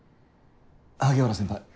萩原先輩